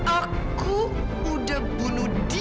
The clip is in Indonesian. aku udah bunuh dia